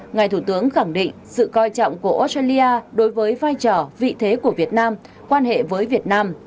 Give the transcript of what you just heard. ngài thủ tướng khẳng định sự coi trọng của australia đối với vai trò vị thế của việt nam quan hệ với việt nam